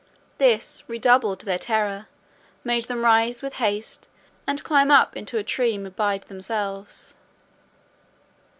This redoubled their terror, made them rise with haste, and climb up into a tree m bide themselves.